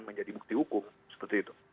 menjadi bukti hukum seperti itu